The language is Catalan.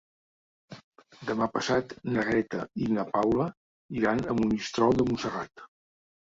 Demà passat na Greta i na Paula iran a Monistrol de Montserrat.